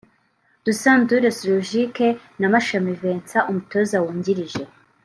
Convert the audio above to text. Dusan Dule Suljagic na Mashami Vincent (umutoza wungirije)